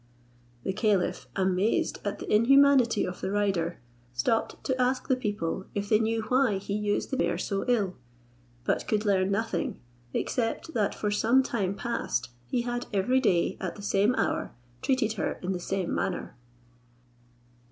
The caliph, amazed at the inhumanity of the rider, stopped to ask the people if they knew why he used the mare so ill; but could learn nothing, except that for some time past he had every day, at the same hour, treated her in the same manner.